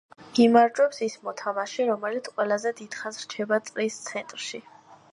იმარჯვებს ის მოთამაშე, რომელიც ყველაზე დიდხანს რჩება წრის ცენტრში.